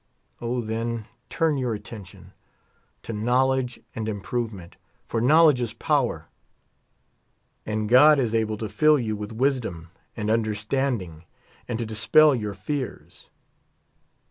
O, then, turn your attention to knowledge and improvement ; for knowledge is power. And God is able to fill you with wisdom and understanding, and to dispel your fears.